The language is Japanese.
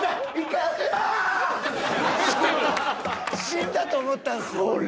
［死んだと思ったんすよ］